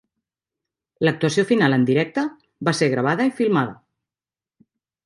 L'actuació final en directe va ser gravada i filmada.